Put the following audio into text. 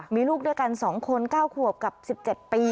มีลูกด้วยกัน๒คน๙ขวบกับ๑๗ปี